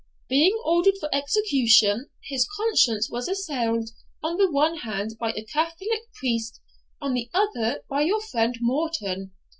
Being ordered for execution, his conscience was assailed on the one hand by a Catholic priest, on the other by your friend Morton.